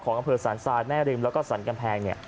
ของอำเภอสรรซายแน่ริมแล้วก็สรรกำแพง